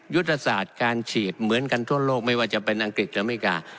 ยุทธศาสตร์การฉีดเหมือนกันทั่วโลกไม่ว่าจะเป็นอังกฤษหรืออเมริกา